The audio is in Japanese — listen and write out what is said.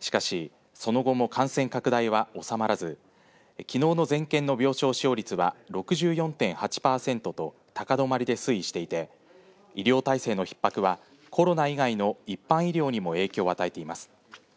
しかしその後も感染拡大は収まらずきのうの全県の病床使用率は６４．８パーセントと高止まりで推移していて医療体制のひっ迫はコロナ以外の一般医療にも影響を与えています。